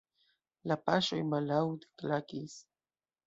La paŝoj malaŭte klakis.